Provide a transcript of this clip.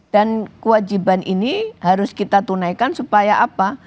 dan kewajiban ini harus kita tunaikan supaya apa